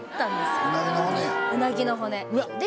うなぎの骨や。